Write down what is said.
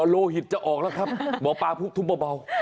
โลหิตจะออกแล้วครับหมอปลาพูดทุบเบา